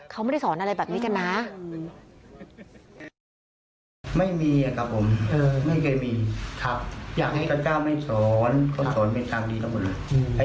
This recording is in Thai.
เขาไม่ได้สอนอะไรแบบนี้กันนะ